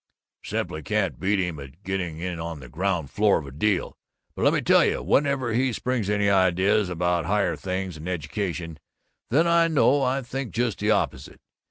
" simply can't beat him at getting in on the ground floor of a deal, but let me tell you whenever he springs any ideas about higher things and education, then I know I think just the opposite.